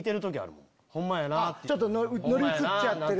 ちょっと乗り移っちゃってる。